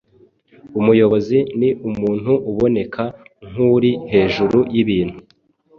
Umuyobozi ni umuntu uboneka nk’uri hejuru y’ibintu,